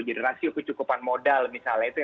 jadi rasio kecukupan modal misalnya